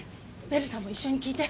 ベルさんも一緒に聞いて。